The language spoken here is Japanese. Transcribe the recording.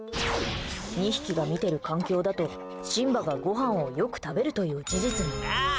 ２匹が見てる環境だと、シンバがごはんをよく食べるという事実に。